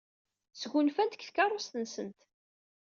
Sgunfant deg tkeṛṛust-nsent.